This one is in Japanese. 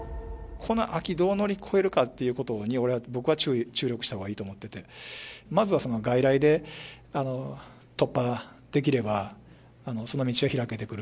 この秋、どう乗り越えるかっていうことに、僕は注力したほうがいいと思ってて、まずはその外来で突破できれば、その道は開けてくる。